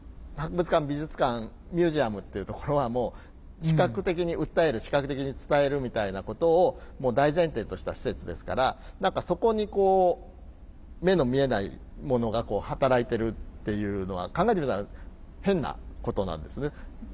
博物館美術館ミュージアムっていうところはもう視覚的に訴える視覚的に伝えるみたいなことを大前提とした施設ですから何かそこにこう目の見えないものが働いてるっていうのは考えてみたら変なことなんですね。